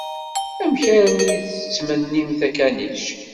Amek armi i d-tettmennimt akanic?